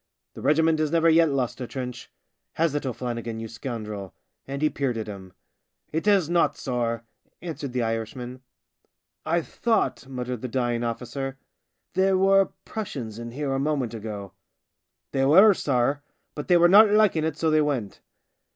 The regiment has never yet lost a trench. Has it, O'Flannigan, you scoundrel ?" And he peered at him. " It has not, sorr," answered the Irishman. " I thought," muttered the dying officer, " there were Prussians in here a moment ago." " They were, sorr, but they were not liking it, so they went."